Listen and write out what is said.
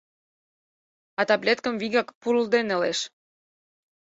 А таблеткым вигак, пурлде нелеш.